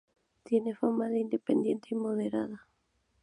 Tiene fama de independiente y moderada.